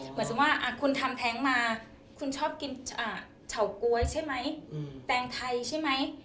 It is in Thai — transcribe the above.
เหมือนสมมุติว่าคุณทำแท้งมาคุณชอบกินเฉาก๊วยใช่ไหมแตงไทยใช่ไหม